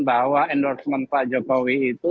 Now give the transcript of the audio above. bahwa endorsement pak jokowi itu